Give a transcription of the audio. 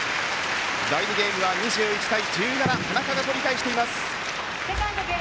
第２ゲームは、２１対１７田中が取り返しています。